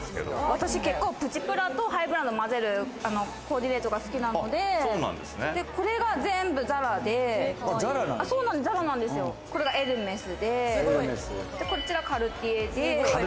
私結構プチプラとハイブランドを混ぜるコーディネートが好きなので、これが全部ＺＡＲＡで、これがエルメスで、こっちがカルティエで。